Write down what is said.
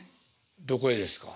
どこへですか？